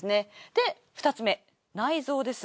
で２つ目内臓です。